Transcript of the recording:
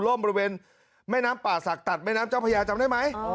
บริเวณแม่น้ำป่าศักดิ์ตัดแม่น้ำเจ้าพญาจำได้ไหม